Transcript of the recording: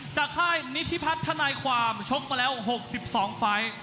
ค่ายนิธิพัฒน์ธนายความชกมาแล้ว๖๒ไฟล์